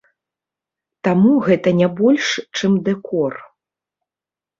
Таму, гэта не больш, чым дэкор.